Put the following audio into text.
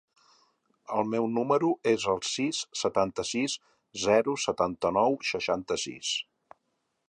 El meu número es el sis, setanta-sis, zero, setanta-nou, seixanta-sis.